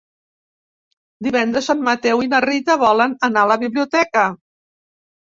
Divendres en Mateu i na Rita volen anar a la biblioteca.